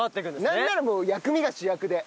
なんならもう薬味が主役で。